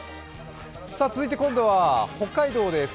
続いて今度は北海道です。